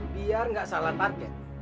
biar gak salah target